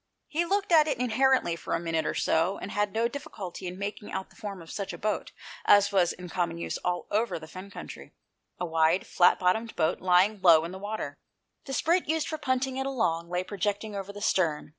He looked at it intently for a minute or so, and had no difficulty in making out the form of such a boat as was in common use all over the Fen country — a wide flat bottomed boat, lying low in the water. The " sprit " used for punting it along lay projecting over the stern.